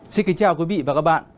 xin kính chào quý vị và các bạn